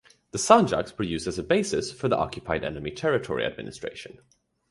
The sanjaks were used as a basis for the Occupied Enemy Territory Administration.